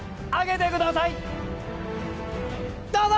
どうぞ！